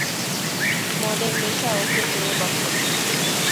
মদের নেশা ওকে পেয়ে বসে।